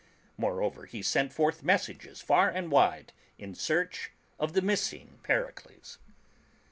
Moreover, he sent forth messages far and wide in search of the missing Pericles.